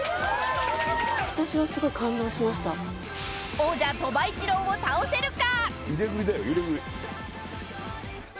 王者・鳥羽一郎を倒せるか。